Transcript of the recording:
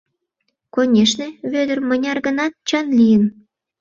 Конешне, Вӧдыр мыняр-гынат чын лийын.